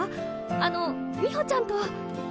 あの美穂ちゃんと。